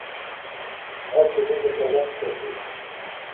Meitsje dizze kolom kursyf.